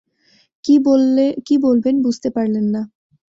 কী বলবেন, বুঝতে পারলেন না।